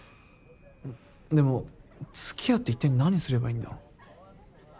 でも付き合うって一体何すればいいんだ？